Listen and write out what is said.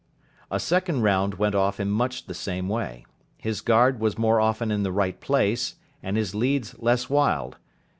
A second round went off in much the same way. His guard was more often in the right place, and his leads less wild.